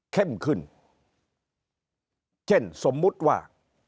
เข้มขึ้นเช่นสมมุติว่า